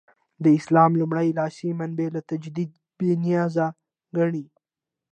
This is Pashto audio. د اسلام لومړي لاس منابع له تجدیده بې نیازه ګڼي.